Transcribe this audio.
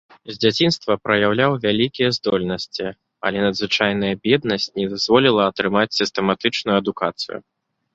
З дзяцінства праяўляў вялікія здольнасці, але надзвычайная беднасць не дазволіла атрымаць сістэматычную адукацыю.